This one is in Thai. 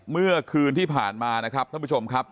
เมื่อคืนที่ผ่านมานะครับท่านผู้ชมครับ